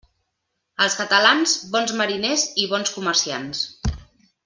Els catalans, bons mariners i bons comerciants.